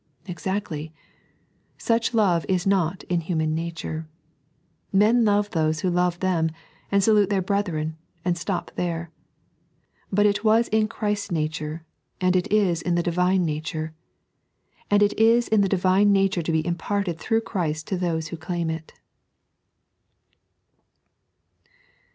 Exactly ; such love is not in human nature. Men love those who love them, and salute their brethren, and stop there. But it was in Christ's nature, and it is in the Divine nature ; and it is in the Divine nature to be imparted through Christ to those who claim it.